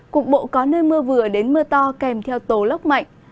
cục bộ có nơi mưa vừa đến mưa to kèm theo tố lốc mạnh